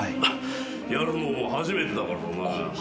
やるの初めてだからね。